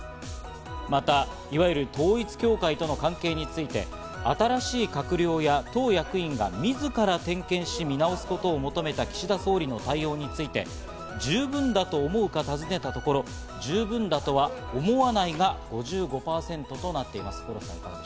また、いわゆる統一教会との関係について、新しい閣僚や党役員が自ら点検し、見直すことを求めた岸田総理の対応について、十分だと思うか尋ねたところ、十分だとは思わないが、５５％となっています。